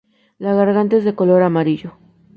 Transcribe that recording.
La garganta es de color amarillo.